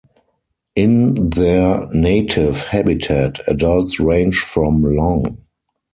In their native habitat, adults range from long.